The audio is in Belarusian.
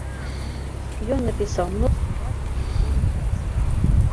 Ён напісаў мноства важных навуковых прац.